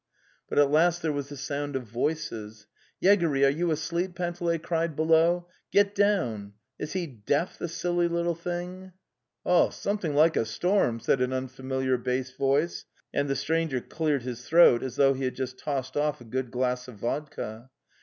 But at last there was the sound of voices. V Wegony,) are you\asleep? 1) Panteleyicmedsne low.) Get) down!) she deaf, the /sily little thing fyi) 'Something like a storm!" said an unfamiliar bass voice, and the stranger cleared his throat as though he had just tossed off a good glass of vodka.